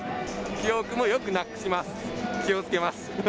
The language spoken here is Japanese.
記憶もよくなくします。